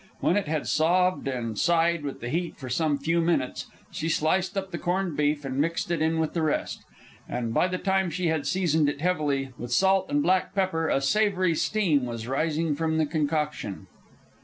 When it had sobbed and sighed with the heat for some few minutes, she sliced up the corned beef and mixed it in with the rest. And by the time she had seasoned it heavily with salt and black pepper, a savory steam was rising from the concoction.